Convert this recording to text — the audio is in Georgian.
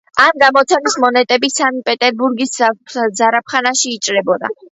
ამ გამოცემის მონეტები სანკტ-პეტერბურგის ზარაფხანაში იჭრებოდა.